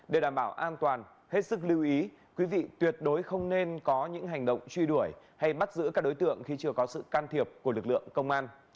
để đảm bảo an toàn hết sức lưu ý quý vị tuyệt đối không nên có những hành động truy đuổi hay bắt giữ các đối tượng khi chưa có sự can thiệp của lực lượng công an